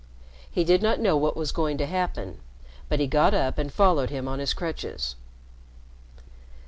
He did not know what was going to happen, but he got up and followed him on his crutches.